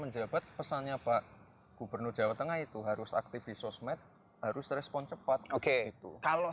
menjabat pesannya pak gubernur jawa tengah itu harus aktif di sosmed harus respon cepat oke itu kalau